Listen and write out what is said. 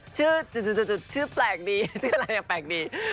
ชื่อแปลกดี